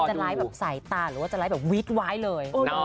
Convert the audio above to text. จะร้ายแบบสายตาหรือว่าจะร้ายแบบวีดไวห์เลย